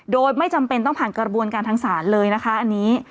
โดยไม่จำเป็นต้องผ่านกระบวนการทางศาลเลยนะคะอันนี้